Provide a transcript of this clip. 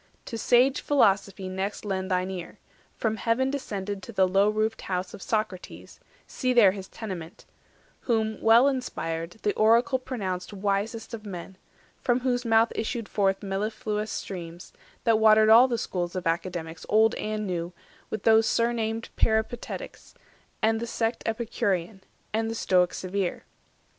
To sage Philosophy next lend thine ear, From heaven descended to the low roofed house Of Socrates—see there his tenement— Whom, well inspired, the Oracle pronounced Wisest of men; from whose mouth issued forth Mellifluous streams, that watered all the schools Of Academics old and new, with those Surnamed Peripatetics, and the sect Epicurean, and the Stoic severe.